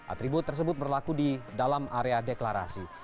atribut tersebut berlaku di dalam area deklarasi